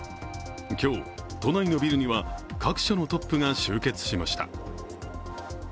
今日、都内のビルには各社のトップが集結しました。